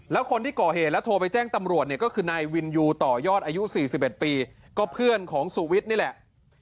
แล้วคนที่ก่อเหตุแล้วโทรไปแจ้งตำรวจเนี่ยก็คือนายวินยูต่อยอดอายุ๔๑ปีก็เพื่อนของสุวิทย์นี่แหละ